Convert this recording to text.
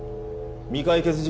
未解決事件